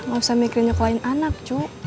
gak usah mikir nyoklain anak cu